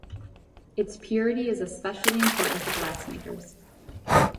Its purity is especially important to glassmakers.